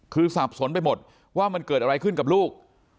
คือสับสนไปหมดว่ามันเกิดอะไรขึ้นกับลูก